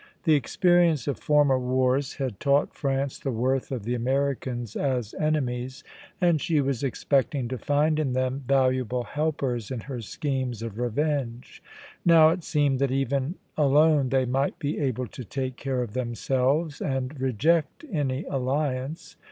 The experience of former wars had taught France the worth of the Americans as enemies, and she was expecting to find in them valuable helpers in her schemes of revenge; now it seemed that even alone they might be able to take care of themselves, and reject any alliance.